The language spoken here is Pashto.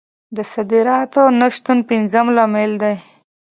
د صادراتو نه شتون پنځم لامل دی.